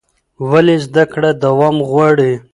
ولې زده کړه دوام غواړي؟